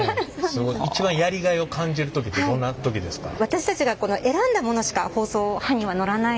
一番やりがいを感じる時ってどんな時ですか？